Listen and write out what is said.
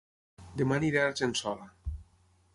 Dema aniré a Argençola